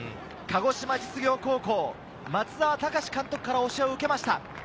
鹿児島実業高校・松澤隆司監督から教えを受けました。